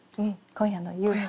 今夜の夕飯。